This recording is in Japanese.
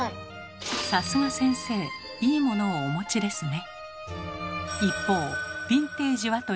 さすが先生いいモノをお持ちですね。